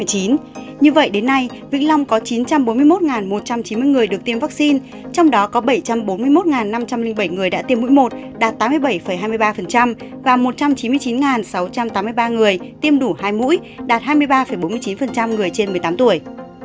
như vậy đến nay vĩnh long có chín trăm bốn mươi một một trăm chín mươi người được tiêm vaccine trong đó có bảy trăm bốn mươi một năm trăm linh bảy người đã tiêm mũi một đạt tám mươi bảy hai mươi ba và một trăm chín mươi chín sáu trăm tám mươi ba người tiêm đủ hai mũi đạt hai mươi ba bốn mươi chín người trên một mươi tám tuổi